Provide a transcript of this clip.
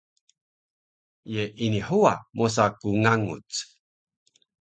ye ini huwa mosa ku nganguc?